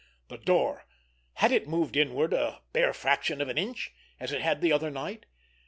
The door! Had it moved inward a bare fraction of an inch, as it had that other night?